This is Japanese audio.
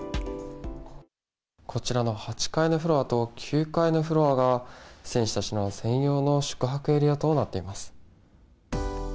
こちらの８階のフロアと９階のフロアが選手たち専用の宿泊エリアとなっています。